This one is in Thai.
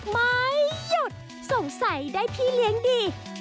ให้พี่เลี้ยงดี